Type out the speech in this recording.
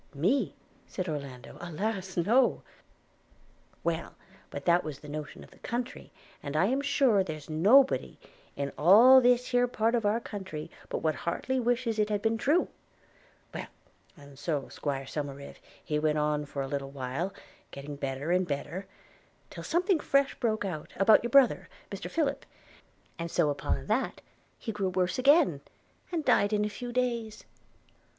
'Me?' said Orlando – 'alas !no!' – 'Well, but that was the notion of the country, and I am sure, there's nobody in all this here part of our county but what heartily wishes it had been true – Well, and so 'Squire Somerive he went on for a little while, getting better and better; till something fresh broke out, about your brother, Mr. Philip; and so upon that, he grew worse again, and died in a few days.